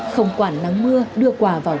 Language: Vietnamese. không quản nắng mưa đưa quà vào